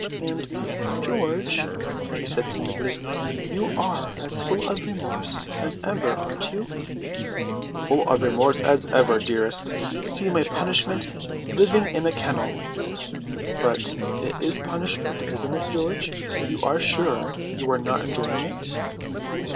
"And, George," she said timidly, "you are as full of remorse as ever, aren't you?" "Full of remorse as ever, dearest! See my punishment: living in a kennel." "But it is punishment, isn't it, George? You are sure you are not enjoying it?"